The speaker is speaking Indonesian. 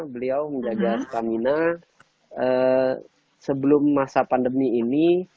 beliau menjaga stamina sebelum masa pandemi ini